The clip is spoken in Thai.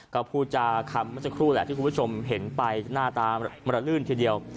ก็พูดจาคำเมื่อสักครู่แหละที่คุณผู้ชมเห็นไปหน้าตามระลื่นทีเดียว